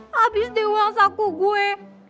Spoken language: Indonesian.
habis di uang saku gue